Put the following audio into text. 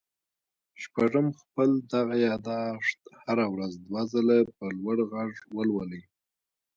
شپږم خپل دغه ياداښت هره ورځ دوه ځله په لوړ غږ ولولئ.